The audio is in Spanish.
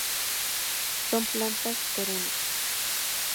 Son plantas perennes.